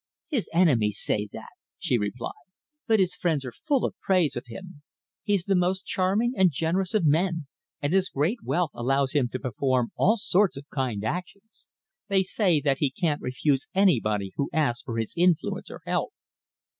"His enemies say that," she replied, "but his friends are full of praise of him. He's the most charming and generous of men, and his great wealth allows him to perform all sorts of kind actions. They say that he can't refuse anybody who asks for his influence or help."